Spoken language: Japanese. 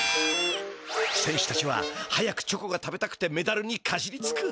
せんしゅたちは早くチョコが食べたくてメダルにかじりつく。